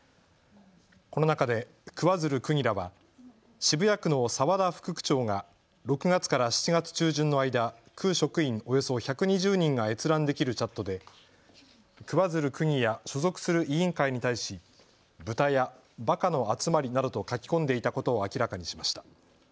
この中で桑水流区議らは渋谷区の澤田副区長が６月から７月中旬の間区職員およそ１２０人が閲覧できるチャットで桑水流区議や所属する委員会に対しブタやバカの集まりなどと書き込んでいたことを明らかにしました。